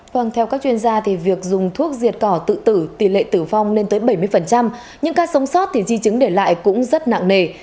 vâng theo các chuyên gia thì việc dùng thuốc diệt cỏ tự tử tỷ lệ tử vong lên tới bảy mươi nhưng ca sống sót thì di chứng để lại cũng rất nặng nề